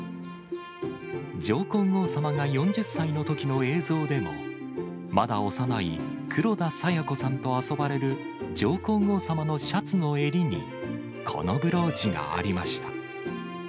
上皇后さまが４０歳のときの映像でも、まだ幼い黒田清子さんと遊ばれる上皇后さまのシャツの襟に、このブローチがありました。